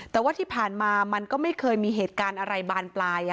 แต่ว่าที่ผ่านมามันก็ไม่เคยมีเหตุการณ์อะไรบานปลาย